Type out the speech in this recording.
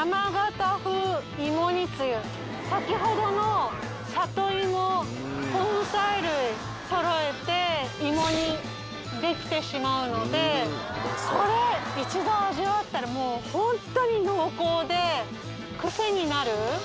先ほどのさといも根菜類そろえていも煮できてしまうのでこれ一度味わったらもうホントに濃厚でクセになる。